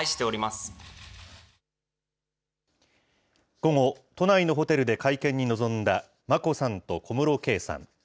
午後、都内のホテルで会見に臨んだ眞子さんと小室圭さん。